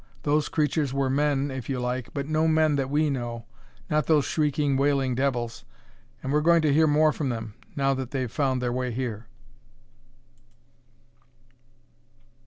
Those creatures were men, if you like, but no men that we know not those shrieking, wailing devils! And we're going to hear more from them, now that they've found their way here!"